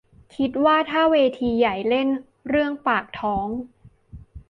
คิดว่าถ้าเวทีใหญ่เล่นเรื่องปากท้อง